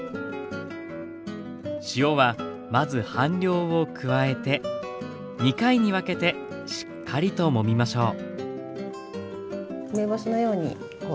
塩はまず半量を加えて２回に分けてしっかりともみましょう。